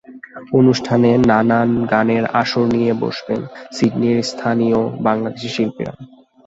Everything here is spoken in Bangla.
অনুষ্ঠানে নানান গানের আসর নিয়ে বসবেন সিডনির স্থানীয় বাংলাদেশি শিল্পীরা।